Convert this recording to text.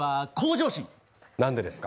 何でですか？